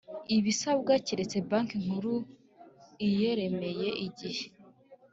ibisabwa keretse Banki Nkuru iyemereye igihe